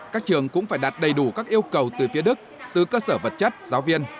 các trường cũng phải đặt đầy đủ các yêu cầu từ phía đức từ cơ sở vật chất giáo viên